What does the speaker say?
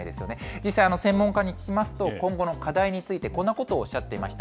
実際に専門家に聞きますと、今後の課題として、こんなことをおっしゃっていました。